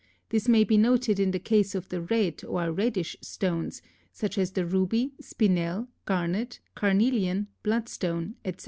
This may be noted in the case of the red or reddish stones, such as the ruby, spinel, garnet, carnelian, bloodstone, etc.